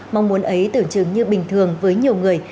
mong muốn ấy tưởng chừng như bình thường với nhiều người